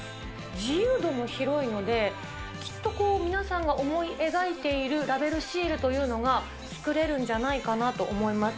自由度も広いので、きっとこう、皆さんが思い描いているラベルシールというのが作れるんじゃないかなと思います。